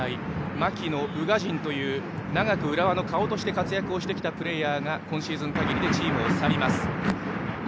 槙野、宇賀神という長く浦和の顔として活躍をしてきたプレーヤーが今シーズン限りでチームを去ります。